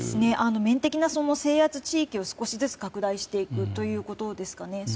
面的な制圧地域を少しずつ拡大していくということですかね。